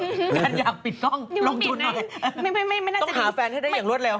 กันอยากปิดลองจุดน้อยต้องหาแฟนให้ได้อย่างรวดเร็ว